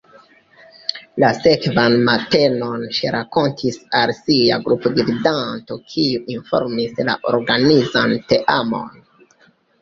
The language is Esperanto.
La sekvan matenon ŝi rakontis al sia grupgvidanto, kiu informis la organizan teamon.